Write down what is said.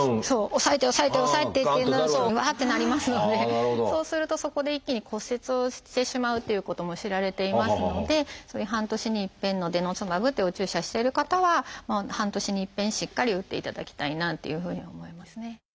抑えて抑えて抑えてっていうのがうわってなりますのでそうするとそこで一気に骨折をしてしまうということも知られていますのでそういう半年に一遍のデノスマブというお注射してる方は半年に一遍しっかり打っていただきたいなというふうに思いますね。